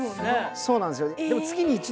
そうなんですよ。